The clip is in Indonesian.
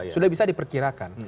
sudah bisa diperkirakan